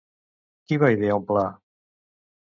Qui va idear un pla?